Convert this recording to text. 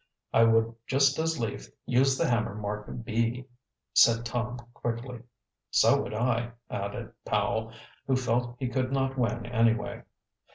"I would just as lief use the hammer marked B," said Tom quickly. "So would I," added Powell, who felt he could not win anyway.